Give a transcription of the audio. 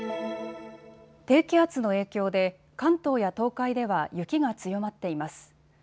低気圧の影響で関東や東海では雪が強まっています。